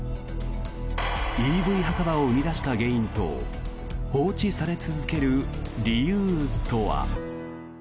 ＥＶ墓場を生み出した原因と放置され続ける理由とは。